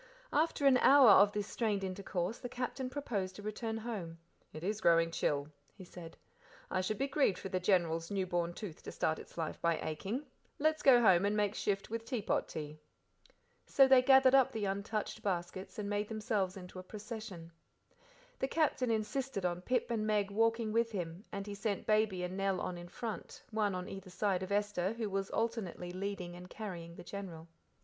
After an hour of this strained intercourse the Captain proposed a return home. "It is growing chill," he said. "I should be grieved for the General's new born tooth to start its life by aching let's go home and make shift with teapot tea." So they gathered up the untouched baskets and made themselves into a procession. The Captain insisted on Pip and Meg walking with him, and he sent Baby and Nell on in front, one on either side of Esther, who was alternately leading and carrying the General.